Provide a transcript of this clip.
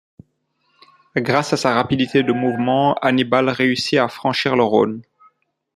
Grâce à sa rapidité de mouvement, Hannibal réussit à franchir le Rhône.